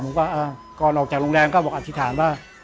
ผมก็ก่อนออกจากโรงแรมก็บอกอธิษฐานว่า